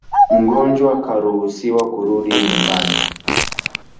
Mgonjwa karuhusiwa kurudi nyumbani